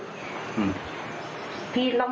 เราต้องคิดว่า